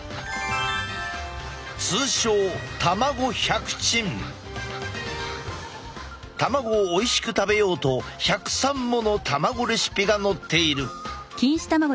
通称卵をおいしく食べようと１０３もの卵レシピが載っている。